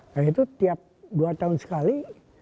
nah itu tiap dua tahun sekali